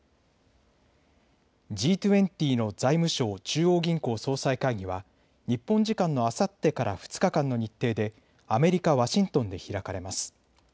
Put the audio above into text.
Ｇ２０の財務相・中央銀行総裁会議は日本時間のあさってから２日間の日程でアメリカ・ワシントンで開かれます。